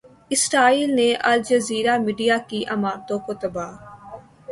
اسرائیل نے Al Jazeera media کی عمارتوں کو تباہ